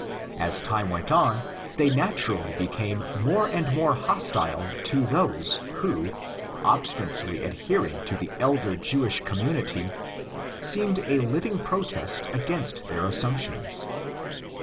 As time went on, they naturally became more and more hostile to those who, obstinately adhering to the elder Jewish community, seemed a living protest against their assumptions.